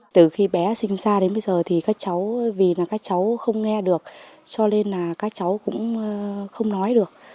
từ khi bé sinh ra đến bây giờ thì các cháu vì là các cháu không nghe được cho nên là các cháu cũng không nói được